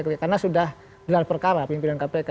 karena sudah dalam perkara pimpinan kpk